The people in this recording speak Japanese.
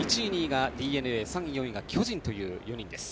１位、２位がＤｅＮＡ３位、４位が巨人という４人です。